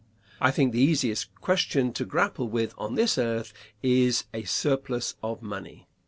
I think the easiest question to grapple with on this earth is a surplus of money.